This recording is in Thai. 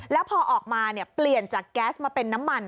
แล้วพอออกมาเปลี่ยนจากแก๊สมาเป็นน้ำมัน